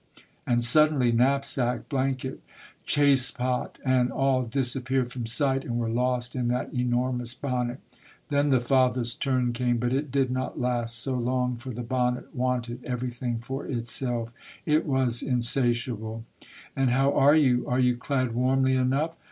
And suddenly knapsack, blanket, chassepot, and all disappeared from sight, and were lost in that enormous bonnet. Then the father's turn came, but it did not last so long, for the bonnet wanted everything for itself. It was insatiable. " And how are you ? Are you clad warmly enough?